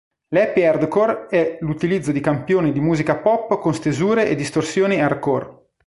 L'happy hardcore è l'utilizzo di campioni di musica pop con stesure e distorsioni hardcore.